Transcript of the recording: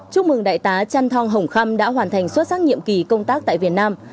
chúc mừng đại tá trăn thong hồng khăm đã hoàn thành xuất sắc nhiệm ký công tác tại việt nam